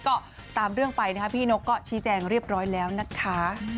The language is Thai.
ก็ตามเรื่องไปนะคะพี่นกก็ชี้แจงเรียบร้อยแล้วนะคะ